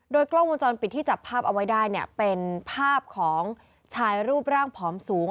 กล้องวงจรปิดที่จับภาพเอาไว้ได้เนี่ยเป็นภาพของชายรูปร่างผอมสูง